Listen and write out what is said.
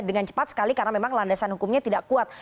dengan cepat sekali karena memang landasan hukumnya tidak kuat